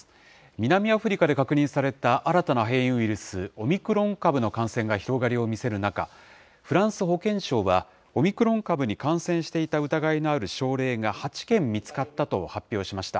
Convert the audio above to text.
南アフリカで確認された新たな変異ウイルス、オミクロン株の感染が広がりを見せる中、フランス保健省は、オミクロン株に感染していた疑いのある症例が８件見つかったと発表しました。